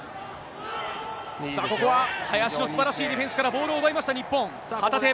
ここは林のすばらしいディフェンスから、ボールを奪いました、日本、旗手。